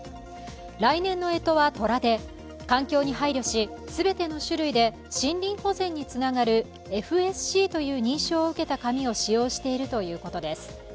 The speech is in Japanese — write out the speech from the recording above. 来年のえとは、とらで環境に配慮し全ての種類で森林保全につながるＦＳＣという認証を受けた紙を使用しているということです。